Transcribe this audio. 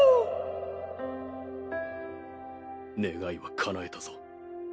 願いはかなえたぞ。